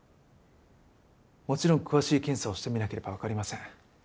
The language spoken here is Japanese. もちろん詳しい検査をしてみなければわかりません。